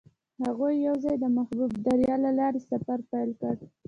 هغوی یوځای د محبوب دریا له لارې سفر پیل کړ.